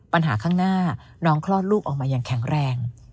ปัญหาข้างหน้าน้องคลอดลูกออกมาอย่างแข็งแรง